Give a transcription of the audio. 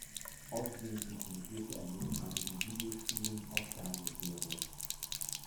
Außerdem synchronisierte er neben einigen Videospielen auch Fernsehserien.